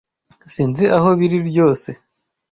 Sinzi aho biri ryose